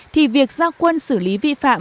thì việc gia quân xử lý vi phạm